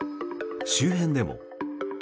周辺でも。